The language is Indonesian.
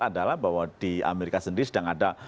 adalah bahwa di amerika sendiri sedang ada